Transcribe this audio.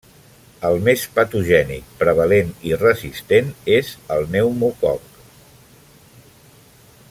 El més patogènic, prevalent i resistent és el pneumococ.